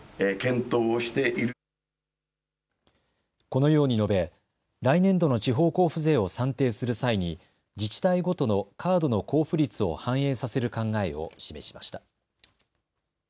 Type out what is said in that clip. このように述べ、来年度の地方交付税を算定する際に自治体ごとのカードの交付率を反映させる考えを示しました。